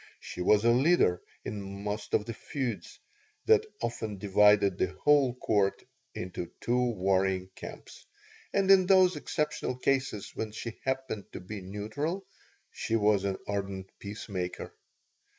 She was a leader in most of the feuds that often divided the whole Court into two warring camps, and in those exceptional cases when she happened to be neutral she was an ardent peacemaker.